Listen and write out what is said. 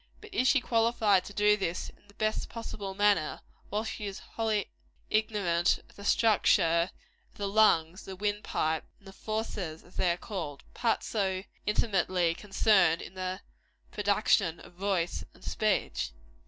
But is she qualified to do this in the best possible manner, while she is wholly ignorant of the structure of the lungs, the wind pipe, and the fauces, as they are called parts so intimately concerned in the production of voice and speech?